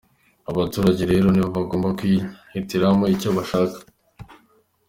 Abaturage rero nibo bagomba kwihitiramo icyo bashaka”.